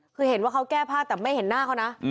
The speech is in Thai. คือเห็นว่าเขาแก้ผ้าแต่ไม่เห็นหน้าเขานะ